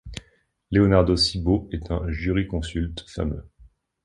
Leonardo Cibo est un jurisconsulte fameux.